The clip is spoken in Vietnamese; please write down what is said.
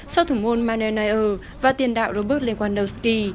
sau thủng môn manuel neuer và tiền đạo robert lewandowski